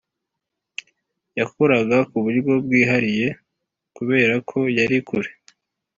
yakoraga ku buryo bwihariye kubera ko yari kure,